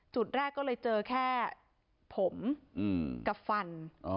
จุดแรกก็เลยเจอแค่ผมกับฟัน